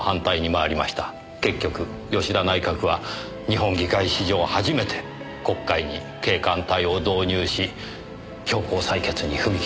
結局吉田内閣は日本議会史上初めて国会に警官隊を導入し強行採決に踏み切りました。